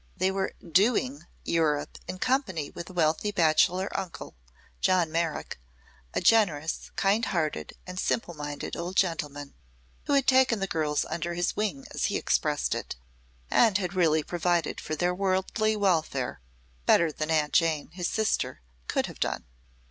They were "doing" Europe in company with a wealthy bachelor uncle, John Merrick, a generous, kind hearted and simple minded old gentleman who had taken the girls "under his wing," as he expressed it, and had really provided for their worldly welfare better than Aunt Jane, his sister, could have done.